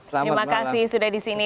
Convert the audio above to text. terima kasih sudah di sini